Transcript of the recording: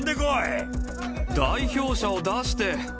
代表者を出して！